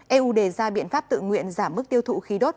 eu đề ra biện pháp tự nguyện giảm mức tiêu thụ khí đốt